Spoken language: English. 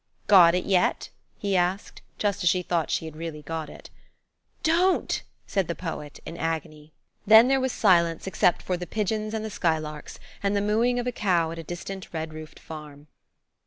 "Got it yet?" he asked, just as she thought she really had got it. "Don't!" said the poet, in agony. Then there was silence, except for the pigeons and the skylarks, and the mooing of a cow at a distant red roofed farm.